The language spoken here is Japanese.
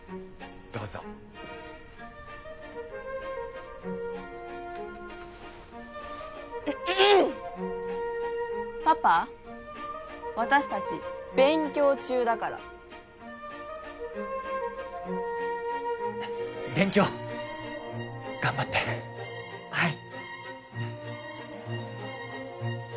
どうぞパパ私達勉強中だから勉強頑張ってはい